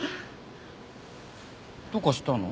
どうかしたの？